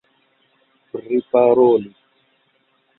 priparolis